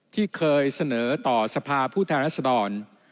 ที่เคยเสนอต่อสภาผู้แทนรัศดร